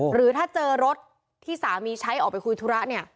หรือถ้าเจอรถที่สามีใช้ออกไปคุยธุระเนี่ย